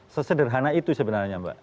sesederhana itu sebenarnya mbak